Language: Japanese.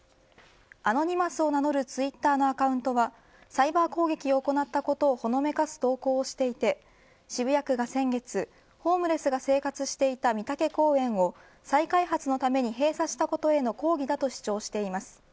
アノニマスを名乗るツイッターのアカウントはサイバー攻撃を行ったことをほのめかす投稿をしていて渋谷区が先月ホームレスが生活していた美竹公園を再開発のために閉鎖したことへの抗議だと主張しています。